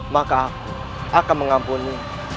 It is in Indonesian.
maka aku akan mengampuni